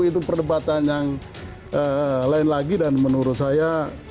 itu perdebatan yang lain lagi dan menurut saya